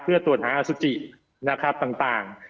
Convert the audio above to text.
เพื่อตรวจหาอสุจินะครับต่าง